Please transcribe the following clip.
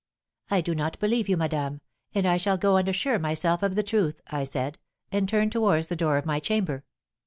"'I do not believe you, madame! and I shall go and assure myself of the truth,' I said, and turned towards the door of my chamber.